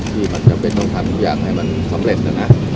ที่มันจำเป็นต้องทำทุกอย่างให้มันสำเร็จนะนะ